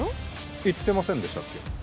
言ってませんでしたっけ？